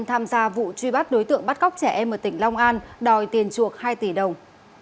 tham gia vụ truy bắt đối tượng bắt cóc trẻ em ở tỉnh long an đòi tiền chuộc hai tỷ đồng